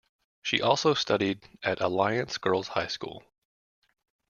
She also studied at Alliance Girls High School.